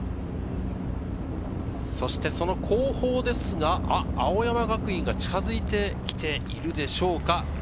その後方ですが、青山学院大学が近づいてきているでしょうか。